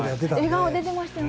笑顔出てましたね。